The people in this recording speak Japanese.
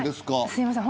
すいません